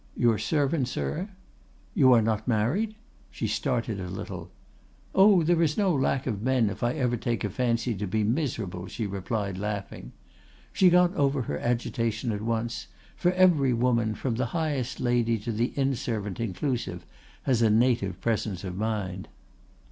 "'Your servant, sir?' "'You are not married?' She started a little. "'Oh! there is no lack of men if ever I take a fancy to be miserable!' she replied, laughing. She got over her agitation at once; for every woman, from the highest lady to the inn servant inclusive, has a native presence of mind.